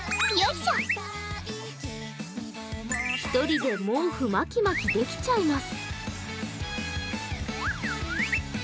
１人で毛布巻き巻きできちゃいます。